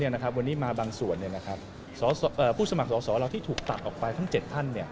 วันนี้มาบางส่วนผู้สมัครสอสอเราที่ถูกตัดออกไปทั้ง๗ท่าน